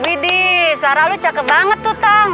bidik suara lu cakep banget tuh tang